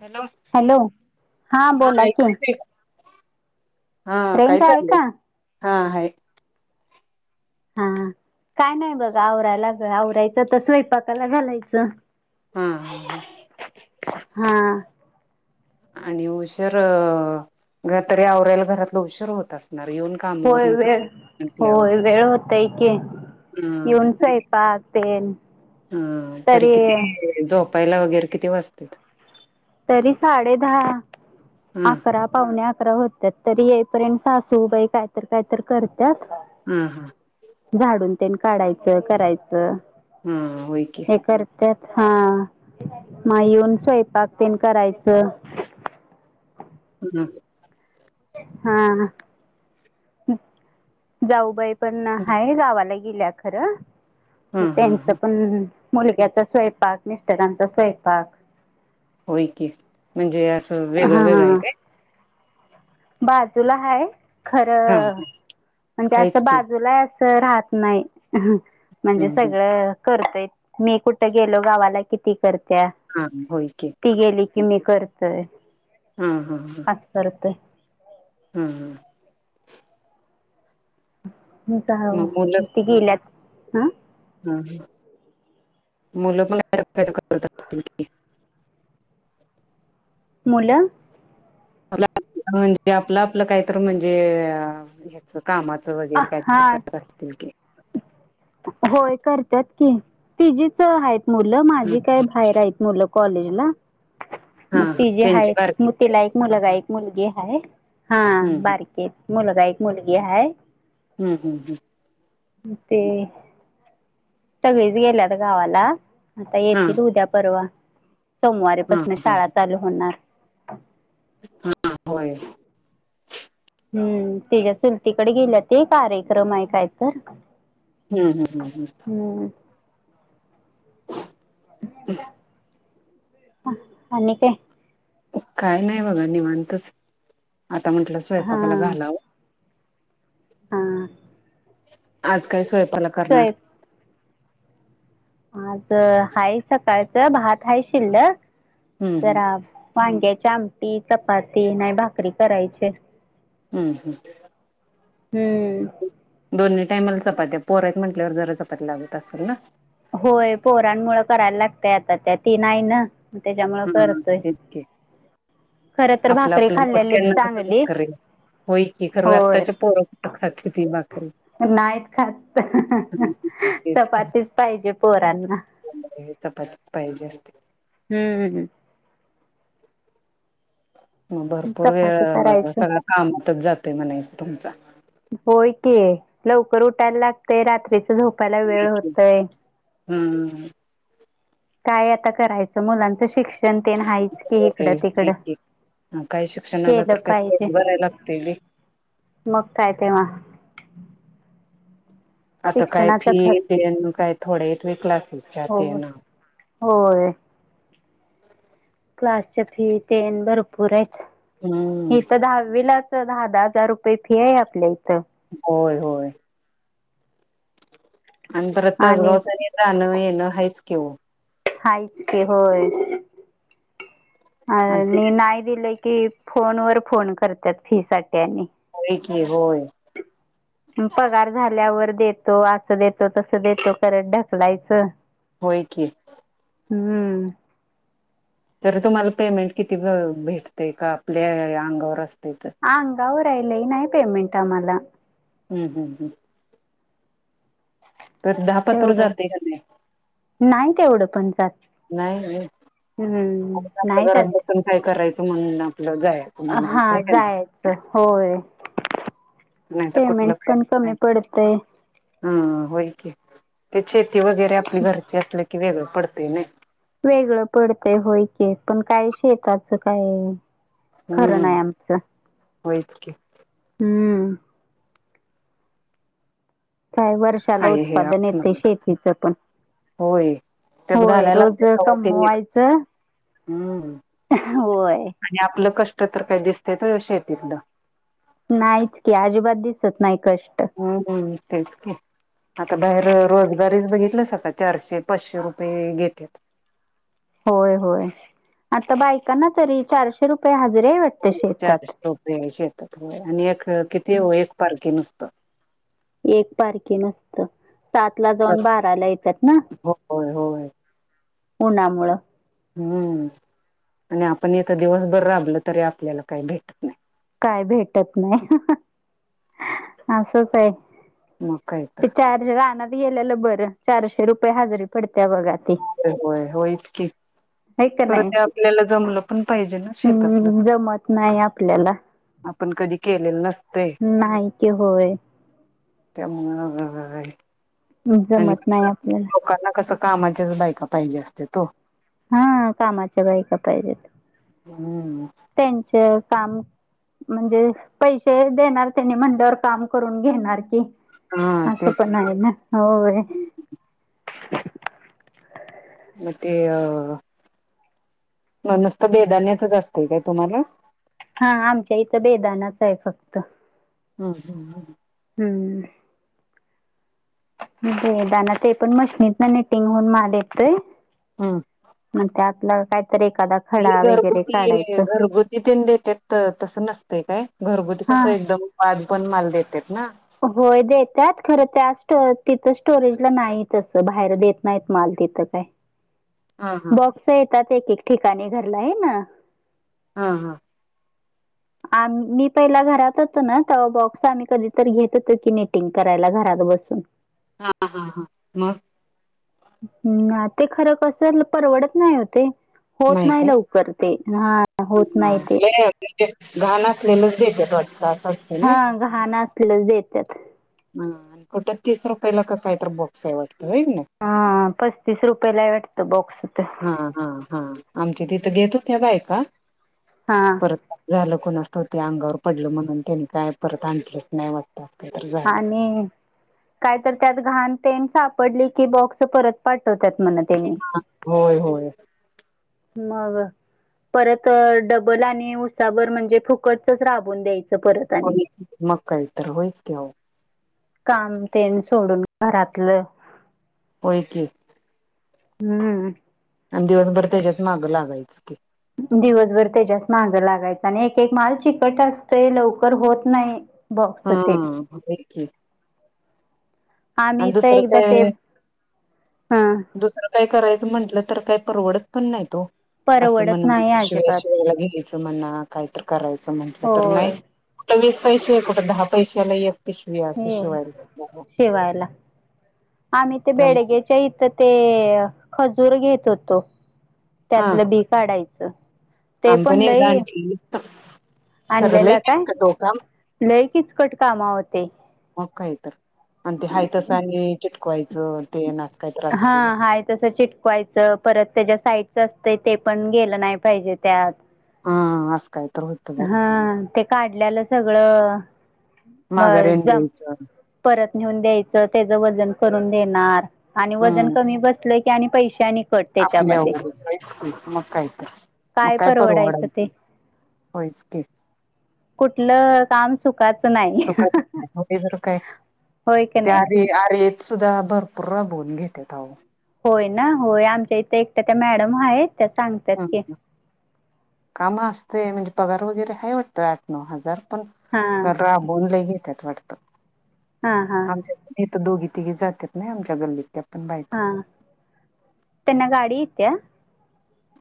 Hello. Hello हां हा बोला की. ऐकते हा काय रेंज आहे चाल? का हा आहे. हा काय नाही बघा आवराला आवरायचं तर स्वयंपाकाला घालायचं. हा. हा. हा. आणि उशर तरी आवऱ्याला घरातलं उशीर होत असणार येऊन. कामावर होय न कर वेळ - म्हटल्यावर होय वेळ होत की येऊन स्वयंपाक तेन. हम्म तरी किती झोपायला वगैरे किती वाजतात? तरी साडे दहा हा अकरा. पावणे अकरा होत्यात तरी येईपर्यंत सासूबाई काहीतरी काय तर करत्यात. हम्म हम्म झाडून तेन काढायचं करायचं. हम्म होय की. करत हा मग येऊन स्वयंपाक पण करायचं, हम्म हं.... जाऊबाई पण हा हाय गावाला गेल्या खरं, मग हा ह त्यांच पण मुलग्याचा स्वयंपाक मिस्टरांचा स्वयंपाक. होय की म्हणजे असं वेगळं वेगळं आहे हां काय. बाजूला हाय हा खरं म्हणजे हाच असं की बाजूला अस. राहत नाही म्हणजे हम्म हम्म सगळं. करतोय मी कुठं गेलो गावाला कि ती करत्या. हा होय की. ती गेली की मी करतोय. हम्म हम्म आज करतय... हम्म हम्म जा मग ते गेल्यात हा हा ह मुलं पण करत असतील की मुलं.... आप म्हणजे आपलं आपलं काय तरी म्हणजे... कामाचं वगैरे काही तर हां करत असतील की.. होय करतात की तिजी च आहेत मुलं ह माझी काय बाहेर आहेत मुलं. कॉलेज ला हा मग हा तिजी त्यांची आहेत बारकी मू तिला एक मुलगा एक मुलगी आहे हा हम्म बारकी मुलगा एक मुलगी आहे. हम्म हम्म ते सगळेच गेल्यात गावाला आता हम्म येतील उद्या परवा. हा हा सोमवारीपासून हा शाळा चालू होणार. हा होय. [unintelligible] हम्म तिच्या चुलतीकडे गेल्या ते कार्यक्रम आहे काय तर. हम्म हम्म हम्म अन काय... [unintelligible] काय नाही बघा निवांतच आता म्हटलं हा स्वयंपाकाला घालावं. हं आज काय स्वयंपाला करणार.. स्वयं आज आहे सकाळचं भात आहे शिल्लक हम्म हम्म. तर. वांग्याची आमटी चपाती नाही भाकरी करायचे. हम्म हम्म... हम्म... दोन्ही टाईमाला चपात्या पोर आहेत म्हटल्यावर जरा चपाती लागत असेल ना. होय पोहरांमुळेळ करायला लागतय आता त्या ती नाही ना. त्याच्यामुळं हम्म करतोय तेच की खर तर आपलं भाकरी आपल्या खाल्लेली मोठयाण कस पण चांगली कराच हो इ क करू होय आत्ताच्या पोर खाात त भाकरी. नाहीत खात हम्म तेच की. चपातीच पाहिजे पोरांना चपातीच पाहिजे हम्म हम्म हम्म भरपूर चपाती वेळ करायचं सगळा कामातंच जातंय म्हणायचं तुमचा होय की लवकर उठायला लागतंय, रात्रीच झोपायला वेळ होतंय. हम्म काय आता करायचं मुलांचं शिक्षण ते न हायच की इकडं तिकडं एक काय ते काही शिक्षणाला केलं तर कमी पाहिजे भरायला लागते होय मग काय तेव्हा आता काय शिक्षणाचा खर्च फी ते न काय थोडे हायेत वे क्लासेसचे. हो होय. क्लासच्या फी तेन भरपूर आहेत हम्म इथं दहावीलाच दहा दहा हजार रुपये फी आहे आपल्या इथं होय होय आणि परत तासगावचं आणि जाणं येणं हायंच की वो हायंच की होय अं आणि नाही दिलं की फोन वर फोन करत्यात फी साठी आणि होय की होय पगार झाल्यावर देतो असं देतो तसं देतो करत ढकलायचं होय की हम्म तरी तुम्हाला पेमेंट किती भ भेटते का आपल्या अंगावर असते तर अंगावर आहे लई नाही पेमेंट आम्हाला. हम्म हम्म हम्म तरी दहा पातूर जातंय का नाही? नाहीत तेवढं पण जात नाही व्हय हम्म नाही जात. पण काय करायचं म्हणून आपलं जायचं. हा म्हणायचं आहे का नाही जायचं होय. पेमेंट पण कमी पडतंय. हा होय कि तेच शेती वगैरे आपली घरची असलं की, वेगळं पडते ना. वेगळं पडतंय, होय की पण काय शेताचं काय? खरं हम्म नाही, आमचं होयच की हम्म काय वर्षाला हाय हे उत्पादन येतंय, आतमध्ये शेतीच पण होय त्यात होय, घालायला लागते रोज तवा ते निघ कमवायचं हम्म होय. आणि आपलं कष्टं, तर काय दिसतेत होय वो शेतीतलं. नाहीच की, अजिबात दिसत नाही कष्ट हम्म हम्म तेच की आता बाहेर रोजगारीचं बघितलंस का चारशे पाचशे रुपये घेतेत होय होय आता बायकांना तरी, चारशे रुपये हजरी आहे वाटतं? शेतात चारशे रूपये आहे शेतात होय आणि एक किती ओ, एक पारखी नुसतं. एक पारखे सातला जाऊन, बाराला येतात ना होय होय उन्हामुळं? हम्म आणि आपण हितं दिवसभरं राबलं तरी, आपल्याला काही भेटत नाही. काय भेटत नाही, असंच आहे. मग काय तर तेच्या एवजी रानात गेलेलं बरं चारशे रुपये हजरी पडते बघा ती होय, होय होईच की हाय का खरं नाही ते आपल्याला जमलं पण पाहिजे ना शेतातलं हम्म जमत नाही आपल्याला आपण कधी केलेलं नसतंय नाही की होय त्यामुळं [unintelligible] आणि जमत नाही कसं आपल्याला लोकांना कसं कामाच्याच बायका पाहिजे असतेत ओ हा कामाच्या बायका पाहिजेत हम्म त्यांचं काम म्हणजे पैसे देणारं त्यांनी म्हणल्यावर काम करून घेणार की हा असं तेच पण आहे ना होय म ते अ म नुसतं बेदान्याचच असतंय काय तुम्हाला हा आमच्या इथं बेदानाच आहे फक्त हम, हम हम्म बेदाना ते पण मशनीत ना निटिंग होऊन माल येतोय हम मग त्यातलं कायतरी एखादा हे खडा वगैरे घरगुती, काढायचं घरगुत तिन देतेत त तसं नसतं काय घरगुती हा कसं एकदम बारीकवानी माल देतेत ना होय देत्यात खरं त्या स्टो तिथं स्टोरेजला नाही तसं बाहेर देत नाहीत माल तिथं काय [inaudible] हा बॉक्स येतात एक, एक ठिकाणी घरला आहे ना ह, ह आम मी पहिला घरात होतो ना त बॉक्स आम्ही कधीतरी घेत होतो की निटिंग करायला घरात बसून हा, हा, हा मग हम् ते खरं परवडत नाही हो ते होत नाही लवकर ते हा होत नाही ते लय म्हणजे घाण असलेलंच देत्यात ते अस असत हा घाण असलेल देत्यात ह आणि कुठं तीस रुपयाला का काय तर बॉक्स आहे वाटतं होय की नाई हा पस्तीस रुपये ला वाटतं बॉक्स तो हा, हा, हा आमची तिथं घेत होत्या बायका हा परत झालं कुणाष्ठौक अंगावर पडलं म्हणून त्यानी काय परत आणलंच नाही वाटत आणि काय तर त्यात घाण तेन सापडली की बॉक्स परत पाठवत्यात मण होय, होय मग परत डबल आणि उसाभर म्हणजे फुकटचच राबून द्यायचं परत हो आणि की मग काय तर होयच की ओ काम तेण सोडून घरातलं होय की हम्म आण दिवसभर त्याच्याच मागं लागायचं की दिवसभर त्याच्याच माग लागायच आणि एक, एक माल चिकट असतय लवकर होत नाही हा बॉक्स ते हा. आणि आम्ही तर दुसरं एकदा ते काय हा दुसरं काय करायचं म्हटलं तर काय परवडत पण नाही तो. असं परवडत म्हणा नाही पिशव्या अजिबात शिवायला घ्यायचं म्हणा काहीत करायचं म्हंटलं तर नाही. होय कुठ वीस पैसे आहे कुठं दहा पैशाला एक पिशवी असं शिवायला. ठेवायला. आम्ही ते त्यामुळे बेडग्याच्या इथं ते खजूर घेत होतो. त्यातलं बी काढायचं. ते आम्ही पण एकदा लई आणलेलं खरं लई किचकट होता. लैकीच कट कामा होते. मग काही तर आणि ते हाय तसं आणि चिटकवायचं ते अस काय असतय. हय तसं चिट शकवायच परत त्याच्या साहित्य असतं ते पण गेलं नाही पाहिजे त्यात. हा असं काय तर होतं बाई हा ते काढल्यालं सगळं. ब माघाऱ्यान जम द्यायचं परत नेऊन द्यायचं त्याच वजन करून देणार. आणि वजन कमी बसलं की आणि पैशा निघ. आपल्यावर जायच त मग कायत मग काय परवडायचं. हो स्के. कुठलं काम सुखाचं नाही. सुखाच होय जर काय होय का त्या नाही आर आरयेत सुद्धा भरपूर राबवून घेतेतऊ. होय ना होय आमच्या इथे एकट्या त्या मॅडम आहेत त्या सांगतात की. कामा असते म्हणजे पगार वगैरे हय वाटतं आठ नऊ हजार. पण हां बनले घेतात वाटत हां हां आमच्या. नाही तर दोघी तिघे जातात नाही आमच्या गल्लीत. हा त्यांना गाडी येते.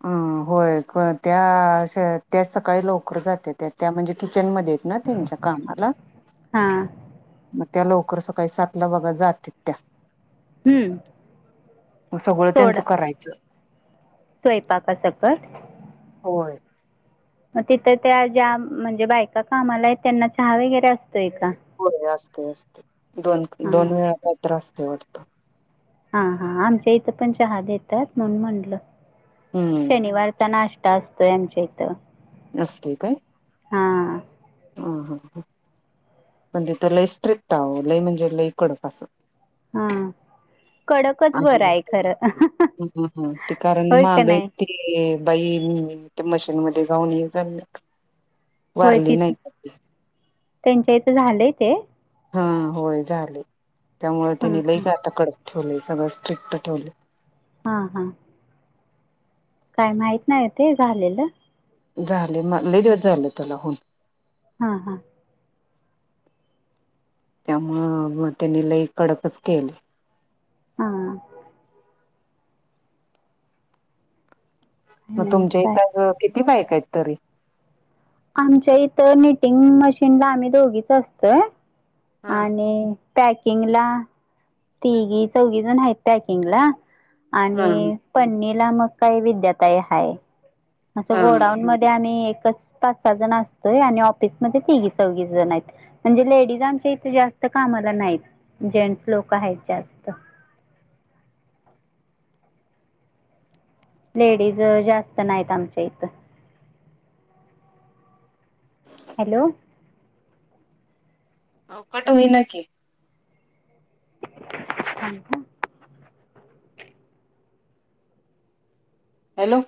हम होय त्या त्या सकाळी लवकर जाते त्या त्या म्हणजे किचनमध्येध्ये. ना त्यांच्या कामाला हां मग त्या लवकर सकाळी सात ला बघा जातील त्या. मग सगळं त्यांच करायचं. स्वयंपाका सकट. होय. मग तिथं त्या ज्या म्हणजे बायका कामाला आहेत त्यांना चहा वगैरे असतोय का. हो असते असते दोन हां दोन वेळा त्र असते वाटत. हा हा आमच्या इथं पण चहा येतात म्हणून म्हटलं. हम्म. शनिवारचा नाश्ता असतोय आमच्या इथं. नस् काय. हां. ह ह ह पण तिथं लय स्ट्रिक्ट आहें लय म्हणजे लईकडं पा असं. हा कडकच बरं आहे अजिबात नाही. खरं ते कारण होय का माग नाही. ते बाई मी ते मशीन मध्ये गाऊन ये ललं. होय तिथे त्यांच्या इथं झालंय ते. हा होय झाले त्यामुळे हा त्यांनी हा लईक आता कडक ठेवले सगळं स्ट्रिक्ट ठेवले. हा हा. काय माहत नाही ते झालेलं. झाले म लई दिवस झाले त्याला हून. हा हा. त्यामुळं त्यांनी लई कडकच केले. हा. काही मग नाही तुमच्या काय इथ असं किती बायका आहेत तरी. आमच्या इथं निटिंग मशीनला आम्ही दोघीच असतोय हा आणि पॅकिंगला तिघी चौघीजण आहेत पॅकिंगला हा आणि पणनीला मग काही विद्याताय हाय. असं हा गोडाऊन मध्ये आम्ही एकच पाच सहा जण असतोय आणि ऑफिसमध्ये तिघीचौघी जण आहेत. म्हणजे लेडीज आमच्या इथे जास्त कामाला नाहीत जेंट्स लोक आहेत जास्त लेडीज जास्त नाहीत आमच्या इथं. हॅलो. अहो कट होईना की. थांब हं हॅलो.